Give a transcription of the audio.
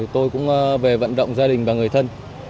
tôi cũng về vận động gia đình và người thân